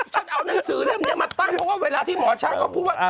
ฉันเอาหนังสือเล่มนี้มาตั้งเพราะว่าเวลาที่หมอช้างเขาพูดว่า